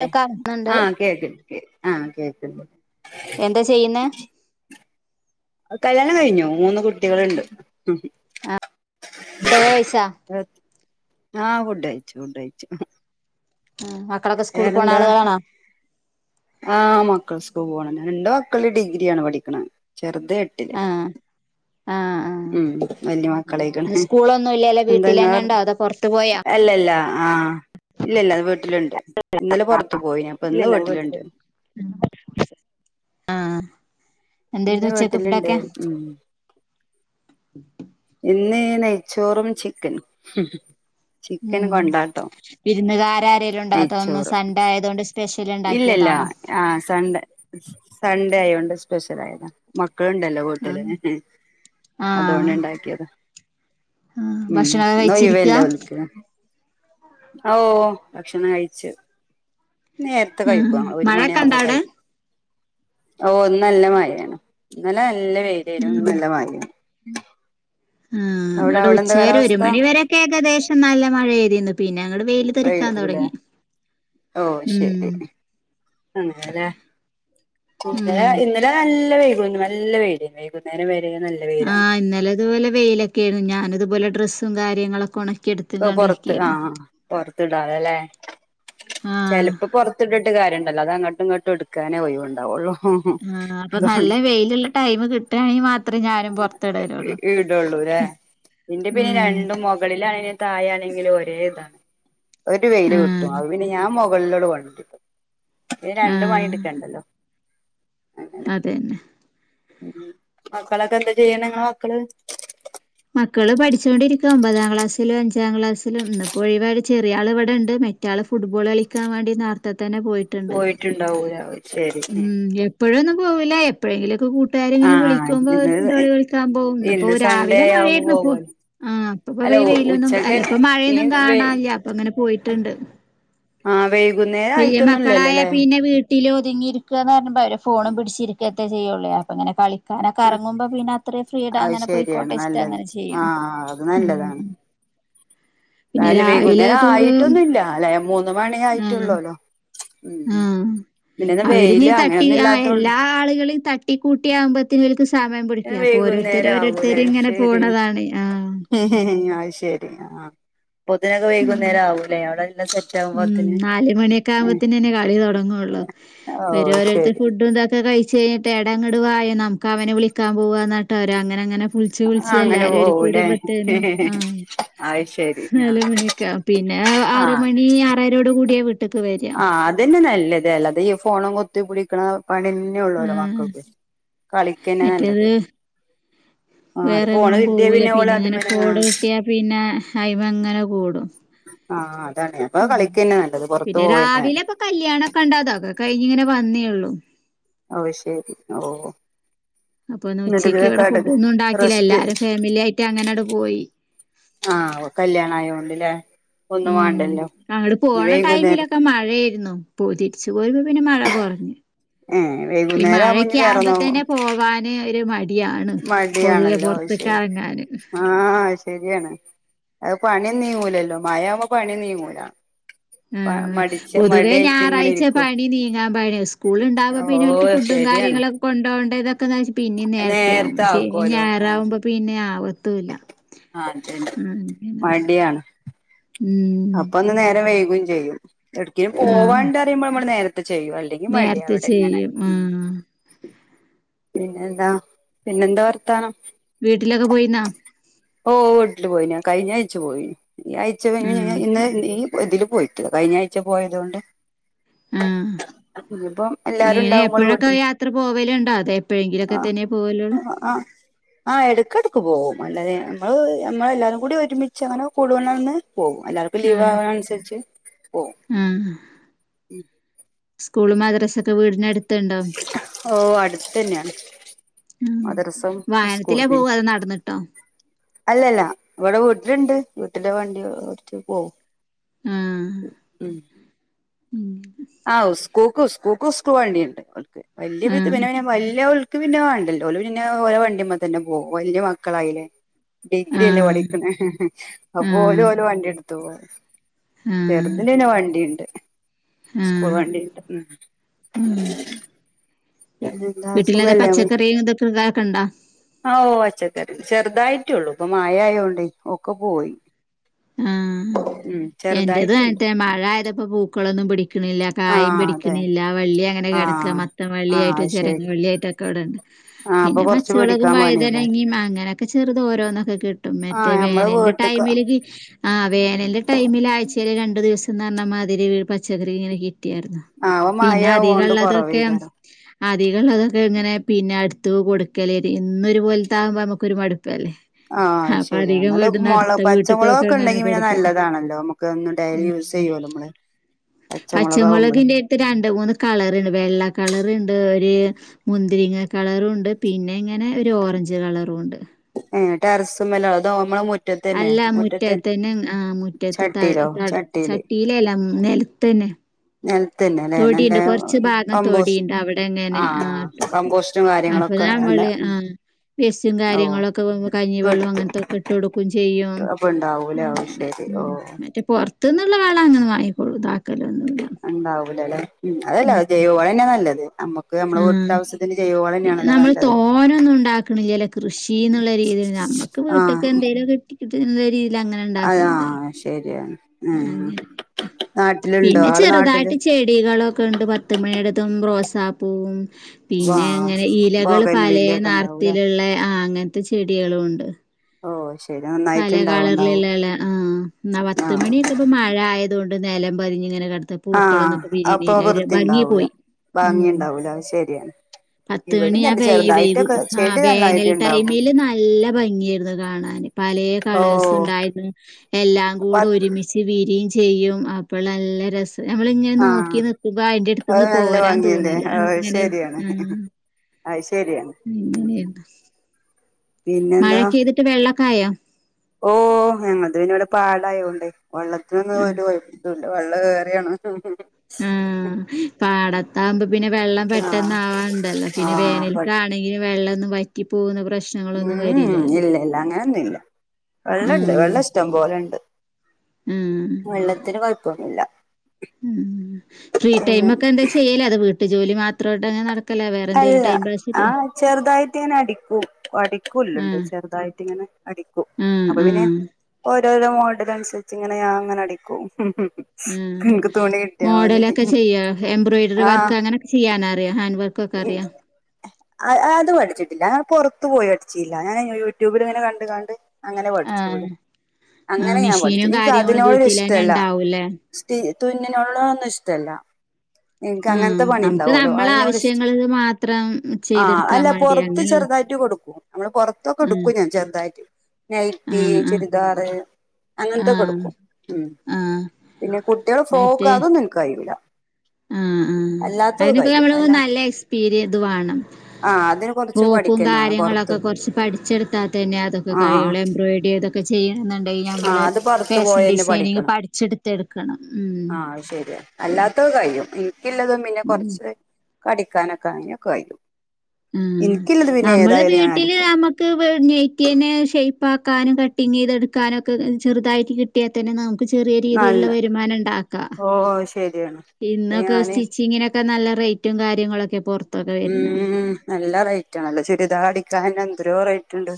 [unintelligible] കേൾക്കാറുന്നുണ്ട് ആ കേക്ക്ണ്ട് കേ ആ കേക്ക്ണ്ട് എന്താ ചെയ്യ്ന്നെ കല്യാണം കഴിഞ്ഞു മൂന്ന് കുട്ടികള്ണ്ട് ആ ഡൊ കഴിച്ചാ ആ ഫുഡഴിച്ച് ഫുഡഴിച്ച് ഉം മ വെറെന്താ ആ മക്കൾ സ് പോവാണ് രണ്ട് മക്കള് ഡിഗ്രിയാണ് പഠിക്കണെ ചെറ്ത് എട്ടില് ആഹ് ആഹ് ആഹ് ഉം വല്യ ഇന്ന് മക്കള്ളായ്ക്ക്ണ് സ്കൂളൊന്നും ഇല്ലല്ലേ വീട്ടിൽ തന്നെ എന്താങ്ങളെ ഉണ്ടോ അതോ പുറത്തു പോയാ അല്ലല്ല ആ ഇല്ലല്ല അത് വ ട്ടില്ണ്ട് ഇന്നലെ പൊർത്ത് പോയിന് അപ്പൊ ഇന്ന് വീട്ട്ല്ണ്ട് അ ഇന്ന് വീട്ടില്ണ്ട് ഉം ഇന്ന് നെയ്ച്ചോറും ചിക്കനും ചിക്കൻ ഉം കൊണ്ടാട്ടം വിരുന്നുകാരരേലും ണ്ടായിട്ട [unintelligible] ഇന്ന് സൺഡെ ആയതൊണ്ട് സ്പെഷ്യ ഇല്ലല്ല ആ സൺഡേ സൺഡേ ആയൊണ്ട് സ്പെഷ്യലായതാ മ ക്കള്ണ്ടല്ലോ വീട്ടില് ആഹ് ആഹ് അതോണ്ട്ണ്ടാക്ക്യത ആഹ് ഉം ഭക്ഷണൊക്കെ ഇന്നൊയ് കഴിച്ചിരിക്കാ വല്ലേ ഓൽക്ക് ഓ ഭക്ഷണം കഴിച്ചു നേരത്തെ ആഹ് കഴിക്കും ഞങ്ങള് ഒരു മഴയൊക്കെ ഉണ്ടോ മണിയാകുമ്പോ അവിടെ കഴിക്കും ഓ ഇന്നല്ല മയേണ് ഇന്നലെ നല്ല വെയ്‌ലേന്നു ഇന്നല്ല മയേണ് ഉം ഉം വടെ എന്താ ഉച്ചവരെ ഒരു കാലാവസ്ഥ മണിവരെക്കെ ഏകദേശം നല്ല മഴ പെയ്തിന്നു പിന്നെ ഞങ്ങട് വെയിൽ തെരിക്കാൻ പെയ്തൂലേ തൊടങ്ങി ഓ ശെരി അങ്ങനെലെ ഇന്നലെ ഉം ഇന്നലെ നല്ല വെയ്‌ലേനി നല്ല വെയ്ലേനി വൈകുന്നേരം വ ആ ഇന്നലെ അത്പോലെ വെയിലൊക്കെന്നു ഞാനിതുപോലെ ഡ്രസ്സും കാര്യങ്ങളൊക്കെ ഒണ പൊറത്ത് അഹ് പൊറത്ത്ട അല്ലേ ആഹ് ചിലപ്പോ പുറത്ത് ഇട്ടിട്ട് കാര്യംണ്ടല്ലോ അത് അങ്ങോട്ടും ഇങ്ങോട്ടും എടുക്കാനേ ഒഴിവു ഉണ്ടാവുള്ളൂ ആ അപ്പൊ നല്ല വെയിലുള്ള ടൈം കിട്ടുകയാണെങ്കി മാത്രേ ടുള്ളൂല്ലേ ഇന്റെ പിന്നെ ഉം രണ്ടും മുകളിലായാൽ തായ ആണെങ്കിലും ഒരേ ഇതാണ് ഒരു വെയില് കിട്ടും ആഹ് അപോ പിന്നെ ഞാൻ മുകളിലോട് ഇത് രണ്ടു പണി എടുക്കണ്ടല്ലോ അതെ മക്കളൊക്കെ എന്താ ചെയ്യണ് നിങളെ മക്കള് മക്കള് പഠിച്ചുകൊണ്ടിരിക്ക ഒമ്പതാം ക്ലാസ്സിൽ അഞ്ച ഞ്ചാ ക്ലാസിൽ ഒന്ന് അപ്പൊ ഒയിവായൊണ്ട് ചെറിയൾ ഇവിടെണ്ട് മാറ്റൾ ഫുട്ബോൾ കളിക്കാൻ വേണ്ടി നാട്ട തന്നെ പോയിട്ടുണ്ട് പോയിട്ടുണ്ടാവൂല ശരി ഉം എപ്പോഴും ഇത് പോവില്ല എപ്പോഴെങ്കിളോക്കെ കൂട്ടുകാരിങ്ങനെ ആഹ് വിളിക്കുമ്പോൾ അവ ഇന്ന് ഫുട്ബോള് കളിക്കാൻ പോകും അപ്പൊ ഇന്ന് രാവില സൺഡേ ആവുമ്പോ മഴയായിരുന്നു അപ്പോ പോവല്ലോ ആ ഇപ്പപ്പോ അല്ല വെ വെയിലൊന്നും ഉച്ചക്കന്നെ അല്ലപ്പോ ഈ മഴയൊന്നും വെ കാണല്ല അപ്പ അങ്ങനെ പോയി ട്ടുണ്ട് അ വെ പിന്നെ മക്കളായ പിന്നെ വീ കുട്ടിൽ ഒതുങ്ങിയിരിക്കുകന്ന് പറുമ്പോ അവര് ഫോണും പിടിച്ചിരിക്കുക ചെയ്യുകയുള്ളേ അപ്പൊങ്ങെ കളി കാരണം കറങ്ങുമ്പോ പിന്നെ അത്രയും ഫ്രീടം അത് അങ്ങനെ പോയിക്കോട്ട ശരിയാണ് വച്ചിട്ട് നല്ലത് അങ്ങനെ ചെയ്യും ആഹ് പിന്നെ ന്നാലും വൈകുന്നേരം രാവിലെയൊക്കെ ആയിട്ടൊന്നുല്ല അല്ല മൂന്ന് മണി ആയിട്ടുള്ളല്ലോ ആ അവര് നീ വെയില് തട്ടി അങ്ങനെയൊന്നും ഇല്ലാത്തോണ്ട് എല്ലാ ആളുകളും ത തട്ടി കൂട്ടി ആവുമ്പോഴേക്കും ഇവർക്ക് സ്കൂളിൽ സമയം പിടിക്കും അപ്പൊ ഓരോത്തരു വൈകുന്നേരം ആവൂലേ ഓരോത്തരും ഇങ്ങനെ ശരി പോണതാണ് ആ അത് ശരി ആഹ് അപ്പോത്തിനൊക്കെ ഉം വൈകുന്നേരം ആവൂലേ അവിടെ എല്ലാം സെറ്റ് ഉം ആകുമ്പോത്തിന് നാല മണിയൊക്കെ ആവുമ്പോത്തനന്നെ കളി തുടങ്ങുള്ളു ഓ വരെരുത്തരു ശരി ഫുഡ് ഇന്തൊക്കെ കഴിച്ച കഴിഞ്ഞ തേടങ്ങിടുവായ നമുക്ക് അവനെ വിളിക്കാൻ പോക എന്നായിട്ട് അവ അങ്ങനെ അങ്ങനെ വിളിച്ച് വിളിച്ച് അങ്ങനെ എല്ലാരും ഒ കൂടി പോവൂലേ പത്തേനോ ആ അത് ശരി ആഹ് നാലുമണി പിന്നെ ആറു ആഹ് മണി ആറായിരോട് കൂടിയ വീട്ടേക്ക് വെര ആഹ് ത്ത് പിടിക്കണ പണി ന്നേ ഉള്ളല്ലോ മക്കൾക്ക് കളിക്കന്നെ നല്ലത് ആ ഒരു ഫോണ് വേറെങ്ങോടു കിട്ടിയ പോകൂല ഓള് പിന്നെ ഇങ്ങനെ അതുമ്മല് ഫോട് ആഹ് കിട്ടിയാ പിന്നെ അയി്മ അങ്ങനെ കൂടും ആഹ് അതാണ് അപ്പൊ ഉ കളിക്കന്നെ നല്ലത് പുറത്തു പിന്നെ പോവന്നെ നല്ലത് രാവിലൊക്കെ കല്യാണം ഒക്കെ ഉണ്ടതൊകെ കൈ ങ്ങനെ വന്നേള്ളൂ ഓ ശെരി ഓ അപ്പൊന്ന് എന്നിട്ട് ഉച്ചക്ക് ഇവിടെ കട ഫുഡ് ഒന്നു ഉണ്ടാക്കില്ല റെസ്റ്റ് എല്ലാരും ഫാമിലി ആയിട്ട് അങ്ങനെ അവിടെ പോയി ആ കല്യാണ ആയൊണ്ട്ല്ലേ ഉം അങ്ങടെ പോണ ടൈമിലൊക്കെ വൈകുന്നേരത്ത് മഴാരുന്നു പോ തിരിച്ചു പോരുമ്പോ പിന്നെ മഴ കൊറഞ്ഞു ഏഹ് ഇ വൈകുന്നേരം ആവുമ്പോ ഇനി മഴക്കെആവുപോത്തിന് പോവന് മടിയണല്ലോ ശരി ഇറങ്ങാന് ആ ശരിയാണ് അത് പണി നീങ്ങൂലല്ലോ മഴവുമ്പോ പണി നീങ്ങൂല ഉം മടിച്ച പൊതുവേ മടിയായിട്ട് ഇങ്ങനെ ഞായറാഴ്ച ഇരിക്കും പണി നീങ്ങാൻ പ സ്കൂൾ ഉണ്ടാവക്പോ ഓ പിന്നെക്ക് ഫുഡും ശരിയാണ് കയങ്ങളക്ക കൊണ്ടപോേണ്ട ഇതൊക്ക വെച്ച പിന്നെ നേരത്തെ ആകും ശെനി ആക്കോലോ ആ ഞായറുകുബോ പ പിന്നെ ആവതൂല്ല്യ അതന്നെ അ മടിയാണ് അപ്പൊ അന്ന് നേരം വേകയും ചെയ്യും ഇടക്കും ആഹ് പോവാണ്ട് അറിയുമ്പോൾ നമ്മ നേര ചെയ്യു അല്ലെങ്കിൽ മടി നേരത്തെ അവിടെ ഇങ്ങനെ ചെയ്യും ഉ ആഹ് പിന്നെ എന്താ പിന്നെന്താ വർത്താനം. വീട്ടിലൊക്കെ പോയിന്നാ. ഓ വീട്ടില് പോയിന് ഞാൻ കഴിഞ്ഞയിച്ച പോയി ഈ ആഴ്ച്ചഴ ആഹ് നീ ഇതില് പോയിട്ടില്ല [unintelligible] കഴിഞ്ഞഴ്ച പോയത് ണ്ട് ആ എല്ലാരും ഇങ്ങനെ ഉണ്ടാവുമ്പോള് എപ്പോഴൊക്കെ വീട്ടില് യാത്ര പോവലുണ്ടോ അതെ എപ്പോഴെങ്കിലൊ ക്കെ തന്നെ പോവല്ലോള്ളു ആ എടുക്കടു പോകും അല്ലാതെ നമ്മള് നമ്മളെല്ലാവരും കൂടി ഒരുമിച്ച് അങ്ങനെ കൂടുവെണന്ന് പോകും ആഹ് പ്പലീവാവൂനുസരിച്ച് പോം സ്കൂള് മദ്രസ് ഒക്കെ വീടിനട് ഓ അടുത്തനാണ് ആഹ് മദ്രസംസ്ക്കൂൾ വാഹനത്തിലാ പി പോവാ അതോ നടന്നിട്ടോ അല്ലല്ല ഇവടെ വീട്ടിലുണ്ട് വീട്ടലേ വണ്ടി ഓടിച്ച് പോവും ഉ ഉം കോക്കോസ്ക് വണ്ടി ഉണ്ട്ക്ക് വലിയ ആഹ് വിധനവന വല്ല [unintelligible] പിന്നെ വണ്ടല്ലോ ഓ ല് പിന്നെ ഓരോ വണ്ടിമ്മതന്നെ പോകും വലിയ മക്കളായില്ലേ ഡിഗ്രി അല്ലേ ആഹ് പഠിക്കണ അപ്പൊ ഓരോ ആഹ് ഓരോ വണ്ടി എടുത്തു പോ ആഹ് ചെറുതിനെ വണ്ടിണ്ട് സ്കൂൾ ആഹ് വണ്ടിണ്ട് ഉം ആഹ് ന്നെന്താ വീട്ടിലെന്താ സുഖല്ലേ പച്ചക്കറിയും ഇതൊക്കെ ഇതാക്കണ്ടാ ഓ അച്ച ത [unintelligible] ചെറുതായിട്ടള്ളൂ ഇപ്പൊ മഴയോണ്ടെ ഒക്കെ പൊയി ആ എന്റത് ചെറുതായിട്ടുണ്ട് മഴ ആയതപ്പോ പൂക്കളൊന്നും വിക്കണില്ല കായം ആഹ് അതെ പിടിക്കണില്ല വള്ളി അങ്ങനെ കിടക്കുക ആഹ് മത്തം ആഹ് വള്ളിയായിട്ട് അത് ചിരങ്ങ ശരി വള്ളിയായിട്ടൊക്കെ ഇവിടെണ്ട് ആഹ് അപ്പൊ പിന്നെ കൊറച്ച് മച്ചവളകും പിടിക്കാൻ പണിയല്ലേ വൈതനങ്ങിയ അങ്ങനൊക്കെ ചെറുത ഓരോന്നൊക്കെ കിട്ടും മറ്റേ ആഹ് ഞമ്മള് വേനലി ടൈ വീട്ട്ക്ക് മില് ആ വേനലിന്റെ ടൈമിൽ ആഴ്ചൽ രണ്ടു ദിവസംന്ന് പറഞ്ഞാൽ മാതിരി പച്ചക്കറി ഇങ്ങനെ കിട്ട ആഹ് ഇപ്പൊ പിന്നെ മഴയാവോണ്ട് അധികള്ളതൊക്കെ കൊറവേക്കാരം അധികള്ളതൊക്കെ ഇങ്ങനെ പിന്നെ അടുത്ത് കൊടുക്കലേ എന്നും ഒരുപോലത്തെ ആകുമ്പോ നമുക്കൊരു മടു ല്ലേ അപ്പൊ അധികം വീടിനടുത്തു മുളമൊക്കെ ഉണ്ടെങ്കി പിന്നെ നല്ലതാണല്ലോ നമുക്ക് എന്നും ഡൈലി യൂസ് ചെയ്യുമല്ലോ നമ്മള് പച്ചമുളകാവുമ്പളേ പച്ചമുളകിന്റെഅടുത്ത് രണ്ട് മൂന്ന് കളറുണ്ട് വെള്ള കളറുണ്ട് ഒരു മുന്തിരിങ്ങ കളറുണ്ട് പിന്നെ ഇങ്ങനെ ഒരു ഓറഞ്ച് കളറും ഉണ്ട് ഏഹ് ടെറസ്മ്മലോ അതോ അമ്മളെ മു അല്ല മുറ്റത്തന്നെ ആ മുറ്റത് ചട്ടിയിലോ ത ചട്ടിയില് ചട്ടിലല്ല നിലത്തന്നെ [unintelligible] നിലത്തന്നെ അല്ലെ നല്ല തൊടിയുണ്ട് കുറച്ച് ഭാഗം കമ്പോസ് തൊടിയുണ്ട് അവിടെ അങ്ങനെ ആഹ് ആട്ട കമ്പോസ്റ്റും ആ കാര്യങ്ങളൊക്കെ ഞാ നല്ല മളെ [unintelligible] ഉം ആഹ വേസ്റ്റും ഓ കാര്യങ്ങളൊക്കെ കഞ്ഞിവെള്ളവും എടുത്ത് അങ്ങനത്തെൊക്കെ ഇട്ട് കൊടുക്കും ചെയ്യും അപ്പൊ ഉണ്ടാവൂലേ ഓ അങ്ങെ ശരി മ്മ് ഓ മറ്റേ പുറത്തുന്നള്ള വളം അങ്ങനെ വാങ്ങി ഇതാക്കലൊന്നുല്ല ഉ് അതല്ല ജൈവവളം തന്നെ നല്ലത് നമ്മക്ക് നമ്മളെ ആ വീട്ടിലെ ആവശ്യത്തിന് ജൈവ വളം പിന്നെ തന്നെയാണല്ലോ നമ്മൾ നല്ലത് തോനൊന്നും ഉണ്ടാക്കണില്ലല്ലോ കൃഷി എന്നുള്ള രീതിയിൽ നമ്മുക്ക് വീട്ടൊക്കെ ആഹ് എന്തെങ്കലോ കെട്ടി എന്ന രീതി അങ്ങനെ അതാ ഉണ്ടാക്കണതല്ലെ ശരിയാണ് ഉം അങ്ങനെ നാട്ടിലുണ്ടോ പിന്നെ ആള് നാട്ടില് ചെറുതായിട്ട് ചെടികളൊക്കെ ഉണ്ട് പത്ത്മണിയുടെ റോസാ പൂവും വാ പിന്നെ അങ്ങനെ ഇലകൾ ബോഗൈൻ പല വില്ലയൊക്കെ ഉണ്ടാവൂലേ നിറത്തിലുള്ള ആ അങ്ങനത്തെ ചെടികളും ഉണ്ട് ഓ ശരി പല നന്നായിട്ട് ഇണ്ടാവും കളറിലുള്ള ഉണ്ടാവും ഇല ആ എന്നാ ആഹ് പത്ത്മണിയക്കെ ഇപ്പോ മഴ ആയത് കൊണ്ട് നിലം പാതഞ് ഇങ്ങനെ കിടക്കും പൂക്കളൊന്നും ആഹ് ഇപ്പോ അപ്പൊ വിരിയിണില്ല വൃത്തി ഭംഗി ഉണ്ടാവൂല പോയി ഭംഗി മ്മ് ഉണ്ടാവൂല അത് ശരിയാണ് പത്ത് മണി ഇവിടെയും തന്നെ ചെറുതായിട്ടൊക്കെ ആ ചെടി നല്ലായിട്ട് വേനൽ ഉണ്ടാകും ടൈമില് നല്ല ഭംഗിയായിരുന്നു കാണാന് പലേ ഓ കളർസ് ഉണ്ടായിരുന്നു എല്ലാംകൂടി പത് ഒരുമിച്ച് വിരി യും ചെയ്യും അപ്പോൾ നല്ല രസ നമ്മളിങ്ങനെ നോക്കി ആഹ് നക്കുമ്പോ അയിന്റെ അത് അടുത്ത്ന്ന് നല്ല പോരാന് ഭംഗിയല്ലേ തോന്നില്ല അത് അങ്ങനെ ശരിയാണ് ആ അത് ശരിയാണ് ഉം അങ്ങനെയിരുന്ന് പിന്നെന്താ മഴൊക്കെ പെയ്തിട്ട് വെള്ളൊക്കെ ആയോ ഓ ഞങ്ങത് പിന്നെോടെ പാടായോണ്ടേ വെള്ളത്തിനൊന്നും ഒരു വെള്ള ഏറയാണ് ആ പാടത്താകുമ്പോ പിന്നെ വെള്ളം പെട്ടന്ന ആഹ് ആവാണ്ടല്ലോ പിന്നെ ആഹ് വേനൽക്കെ ബട്ട് ആണെങ്കില വെള്ള വറ്റി പോകുന്ന പ്രശനം ഉം ഇല്ല ഇല്ല അങ്ങനെയൊന്നുംല്ല ആ വെള്ളണ്ട് വെള്ള ഇഷ്ടം പോലെണ്ട് വെള്ളത്തിന് കുഴപ്പ ന്നില്ല ഉ ഫ്രീ ടൈമ ഒക്കെ എന്താ ചെയ്യലേ അത് വീട്ടു ജോലി മാത്രമായിട്ട് അങ്ങെ നടക്ക അല്ല ആ് ചെറുതായിട്ട ഇങ്ങനെ അടിക്കൂ അടിക്കൂല്ലണ്ട് ആഹ് ചെറുതായിട്ട ഇങ്ങനെ അടിക്കും ആഹ് അപ്പൊ പിന്നെ ആഹ് ഓരോരോ മോഡൽ അനുസരിച്ച് ഇങ്ങനെ ഞാൻ അങ്ങനെ അടിക്കും ആ എനിക്ക് തുണി കിട്ടിയാ മതി മോഡലൊക്കെ ചെയ്യ എംബ്രോയിഡറി വർക്ക് ആഹ് അങ്ങനെൊക്കെ ചെയ്യാനറിയോ ഹാൻഡ് വർക്ക് ഒക്കെ അറിയോ അത് പഠിച്ചിട്ടില്ല പുറത്തു പോയി പഠിച്ചില്ല ഞാൻ യൂട്യൂബിൽ ഇങ്ങനെ കണ്ട് കാണ്ട് അങ്ങനെ പഠിച്ചൊള്ളു ആഹ് ആഹ് അങ്ങനെ ഞാൻ പഠിച്ചു മെഷീനും എനിക്ക് കാര്യങ്ങളും അതിനോടൊരു വീട്ടിലന്നെ ഇഷ്ടല്ല ഉണ്ടാവൂല്ലേ തുന്നിനോടുന്നും ഇഷ്ടമല്ല നിനക്ക് ആഹ് അങ്ങനത്തെ പണി നമുക്ക് ഉണ്ടാവുമല്ലോ നമ്മളെ അതിനോട് ഇഷ്ടം ആവശ്യങ്ങള് മാത്രം ആഹ ചെയ്തെടുക്കാൻ അല്ല വേണ്ടി പുറത്ത് അങ്ങനെയുള്ള ചെറുതായിട്ട് കൊടുക്കൂ നമ്മള് പുറത്തൊക്കെ ആഹ് കൊടുക്കും ഞാൻ ചെറുത നൈറ്റി ആഹ് ആഹ് ചുരിദാർ അങ്ങനത്തെ ഒകെ ആഹ് എടുക്കും ആഹ് പിന്നെ കുട്ടികൾ ഫ്രോക്ക് മറ്റേ അതൊന്നും എനിക്ക് കഴിയില്ല ആഹ് ആ അതിനക്കെ കഴിയും നമ്മള് അല്ല നല്ല എക്സ്പീരിയൻ ഇത് വേണം ആഹ് അതിന് കൊറച്ച് ഫ്രോക്കും പഠിക്കന്നെ വേണം പൊറത്ത് കാര്യങ്ങളൊക്കെ കുറച്ച് പഠിച്ചെടുത്താൽ തന്നെ അതൊക്കെ ആഹ് കഴിയുള്ളൂ എംബ്രോയ്ഡ ഇതക്കെ ചെയ്യ ണ്ടെങ്ക ആഹ് നമ്മള് അത് പൊറത്ത് ഫാഷൻ പോയന്നെ ഡിസൈനിങ് പഠിക്കണം പഠിച്ചെടുത്ത് എടുക്കണം ആഹ് അത് ശരിയാ അല്ലാത്തത് കഴിയും എനിക്കുള്ളതും പിന്നെ കൊറച്ച് അടിക്കാനൊക്കെ അങ്ങ കഴിയും എനിക്കില്ലത് മം ആ പിന്നെ നമ്മള് ഏതായാലും ഞാൻ വീട്ടില് അടിക്കും നമ്മുക്ക് [unintelligible] ഷെയ്പ്പ് പ്പാക്കാനും കട്ടിങ് ചെയ്തെടുക്കാനൊക്കെ ചെറുതായിട്ട് കിട്ടിയാൽ തന്നെ നമുക്ക് ചെറിയ രീതിയിലുള്ള നല്ല വരുമാനം ഒണ്ടാക്ക ഓഹ് ശരിയാണ് അപ്പൊ ഇന്നൊക്കെ ഞാന് സ്റ്റിച്ചിങ്ങിന് ഒക്കെ നല്ല റേറ്റും കാര്യങ്ങളൊക്കെ പുറത്ത് ഉം നല്ല റേറ്റാണല്ലേ ചുരിദാറ് അടിക്കാ എന്തോരോ റേറ്റ് ഉണ്ട്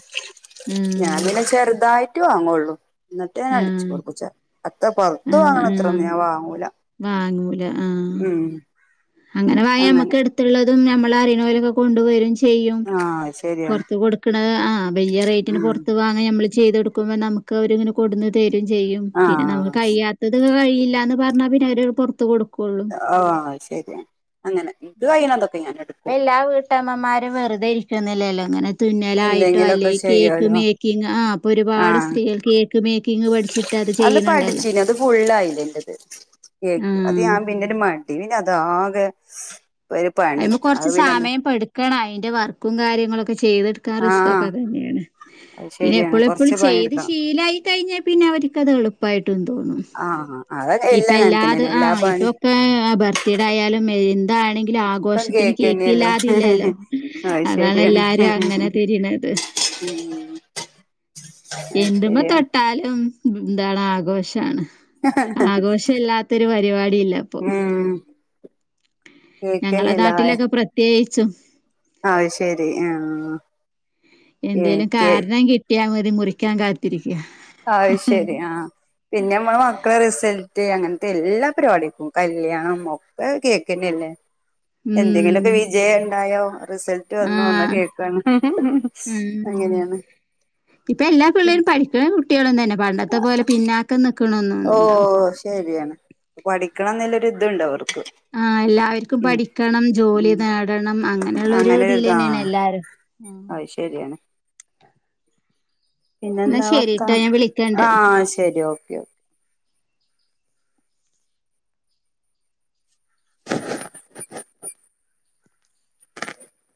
ഉം ഞാപിന്നെ ചെറുതായിട്ട് വാങ്ങുള്ളൂ എന്നിട്ട് ഞാൻ അടിച്ചു ആഹ് കൊടുക്കുച്ചേ അത്ര പുറത്ത് ആഹ് വാങ്ങണ ആഹ് അത്രെന്നും ഞാൻ വാങ്ങൂല വാങ്ങൂല ആ ഉം അങ്ങനെ വാങ്ങി യ നമ്മക്ക് അടുത്തുള്ളതും നമ മ്മള അറിനോലൊക്കെ കൊണ്ടുവരും ചെയ്യും ആഹ് ശരിയാണ് പുറത്ത് കൊടുക്കണ ആ വലിയ റേറ്റിന് ഉം പുറത്ത് വാങ്ങ നമ്മള് ചെയ്ത് കൊടുക്കുമ്പ നമുക്ക് ഒക്കെ അവരിങ്ങനെ കൊടുന്നു തരും ചെയ്യും പിന്നെ നമ്മുക്ക് ആഹ് കഴിയാത്തതൊക്കെ [unintelligible] ഇല്ലാന്ന് പറഞ്ഞാ പിന്നെ അവര് പുറത്ത് കൊടുക്കും ആ ശരിയാണ് അങ്ങനെ എനിക്ക് കഴിയണെന്തൊക്കെ ഞാൻ എടു എല്ലാ വീട്ടമ്മമാരും വെറുതെരിക്കുന്നില്ലല്ലോ അങ്ങനെ തുന്നലായിട്ടോ അല്ലെ എന്തെങ്കിലുമൊക്കെ കേക്ക് ചെയ്യാലോ മേക്കിങ് ആ അപ്പൊ ഒരുപാട് ആഹ് സ്ത്രീകൾ കേക്ക് മേക്കിങ് പഠിച്ചിട്ട് അത് പഠിച്ചീന് അത് ഫുള്ളായില്ലാന്റിത് കേക്ക് അത് ആഹ് ഞാൻ പിന്നീട് മ പിന്ന അത് ആകെ അയിമ്മ കൊറച്ച് സമയം പടുക്കണം അതിന്റെ വർക്കും കാര്യങ്ങളൊക്കെ ഒക്കെ ചെയ്തെടുക്കാ ആഹ് റിസ്ക്കൊക്കെ തന്നെയാണ് അത് പിന്നെ ശരിയാണ് എപ്പഴും എപ്പഴും കൊറച്ച് ചെയ്ത് പണിയെടുക്കണം ശീലായി കഴിഞ്ഞാൽ പിന്നെ അവരിക്കത് എളുപ്പായിട്ടും തോന്നും ആഹ് അതൊക്കെ ഇപ്പൊ എല്ലാം അങ്ങനെ എല്ലാതും തന്നെയല്ലേ ആ എല്ലാ പണി ഇപ്പൊക്കെ ബർത്ത്ഡേ ആയാലും എന്താണെങ്കിലും ഒക്കെ ആഘോഷത്തിന് കേക്കന്നെയല്ലേ കേക്കില്ലാതില്ലല്ലോ അത് അതാണ് എല്ലാരും അങ്ങനെ തിരിണത് ഉം എന്തുമ്മ തൊട്ടാലും എന്താണ് ആഘോഷാണ് ആഘോഷം ഇല്ലാത്തൊരു പരിപാടി ഇല്ല അപ്പൊ ഉം ഞങ്ങളെ നാട്ടിലൊക്കെ പ്രത്യേകിച്ചും ആ ശെരി ആ എന്തേലും കാരണം കിട്ടിയാൽ മതി മുറിക്കാൻ കാത്തിരിക്കും അത് ശരി ആഹ് പിന്നെ നമ്മള മക്കളെ റിസൽ റ്റ് അങ്ങനത്തെ എല്ലാ പരി പാടിക്കും കല്യാണം ഒക്കെ കേക്കിൻ്റെല്ലേ- ഉം എന്തെങ്കിലുഒക്കെ വിജയ ഒണ്ടായൊ റിസൾട്ട് വന്നു എന്ന് ആഹ് കേക്കാണ് ആഹ് അങ്ങനെയാണ് ഇപ്പൊ എല്ലാ പിള്ളേരും പഠിക്കണ കുട്ടികളും തന്നെ പണ്ടത്തെ പോലെ പിന്നാക്കം ഓ നിക്കണൊന്നൊന്നുല്ല. ശരിയാണ് പഠിക്കണന്നില്ല ഓര്ഇതുണ്ട് അവർക്ക് ആഹ് എല്ലാവർക്കും ഉം പഠിക്കണം ജോലി ഉം നേടണം അങ്ങനെയുള്ളരു അങ്ങനെ ഒരു ഇത് ഇതീല് ആ തന്നെണ് എല്ലാരും ആഹ് അത് ശരിയാ പിന്നെ എന്നാ എന്താ വർത്ത ശരിട്ടോ ഞാൻ വിളിക്കണ്ട്. ആ ശരി ഓക്കെ ഓക്കെ